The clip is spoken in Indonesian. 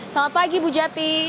selamat pagi bu jati